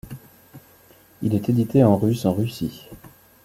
Il est édité en russe en Russie.